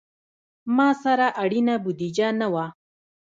ما سره اړینه بودیجه نه وه.